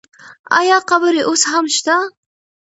آیا قبر یې اوس هم شته؟